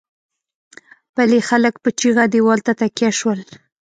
پلې خلک په چيغه دېوال ته تکيه شول.